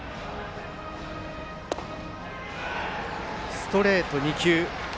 ストレート２球。